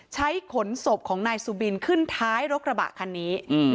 ขนศพของนายสุบินขึ้นท้ายรถกระบะคันนี้